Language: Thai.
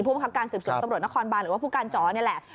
บังคับการสืบสวนตำรวจนครบานหรือว่าผู้การจอนี่แหละ